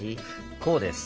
こうです。